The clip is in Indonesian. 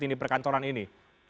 di perkantoran ini